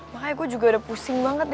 makanya gue juga udah pusing banget